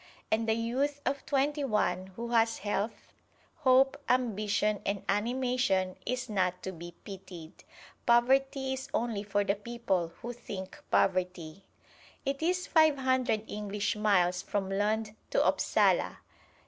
And the youth of twenty one who has health, hope, ambition and animation is not to be pitied. Poverty is only for the people who think poverty. It is five hundred English miles from Lund to Upsala.